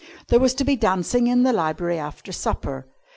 There was to be dancing in the library after supper.